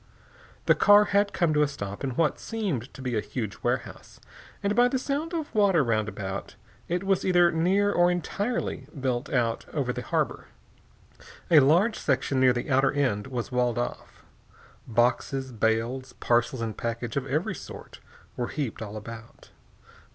The car had come to a stop in what seemed to be a huge warehouse, and by the sound of water round about, it was either near or entirely built out over the harbor. A large section near the outer end was walled off. Boxes, bales, parcels and packages of every sort were heaped all about.